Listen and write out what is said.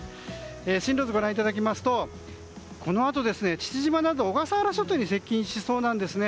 進路図ご覧いただきますとこのあと父島など小笠原諸島に接近しそうなんですね。